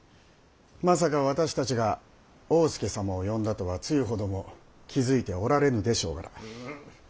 まさか私たちが大典侍様を呼んだとは露ほども気付いておられぬでしょうから。